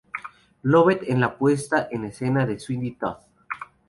Lovett en la puesta en escena de "Sweeney Todd".